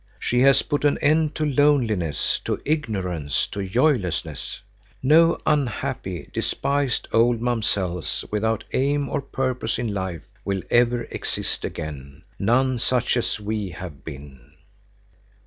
She has put an end to loneliness, to ignorance, to joylessness. No unhappy, despised old Mamsells without aim or purpose in life will ever exist again; none such as we have been."